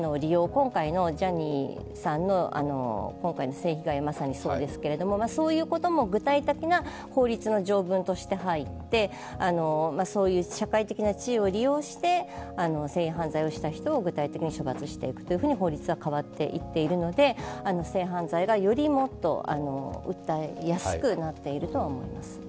今回のジャニーさんの今回の性被害はまさにそうですけど、そういうことも具体的な法律の条文として入ってそういう社会的な地位を利用して性犯罪をした人を具体的に処罰していくというふうに法律は変わっていっているので性犯罪がより訴えやすくなるとは思っています。